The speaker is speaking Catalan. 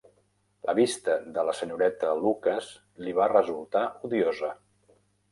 La vista de la senyoreta Lucas li va resultar odiosa.